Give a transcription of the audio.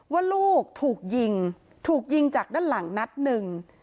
ว่าลูกถูกยิงถูกยิงจากด้านหลังนัดหนึ่ง